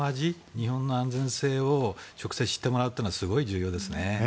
日本の安全性を直接知ってもらうというのはすごい重要ですね。